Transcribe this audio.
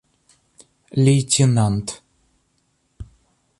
лейтенант